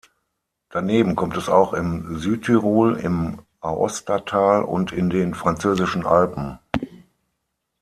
Daneben kommt es auch im Südtirol, im Aostatal und in den französischen Alpen.